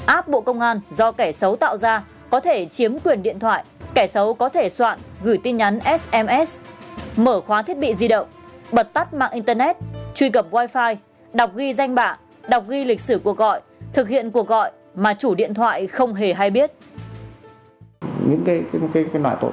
app bộ công an do kẻ xấu tạo ra có thể chiếm quyền điện thoại kẻ xấu có thể soạn gửi tin nhắn sms mở khóa thiết bị di động bật tắt mạng internet truy cập wifi đọc ghi danh bạ đọc ghi lịch sử cuộc gọi thực hiện cuộc gọi mà chủ điện thoại không hề hay biết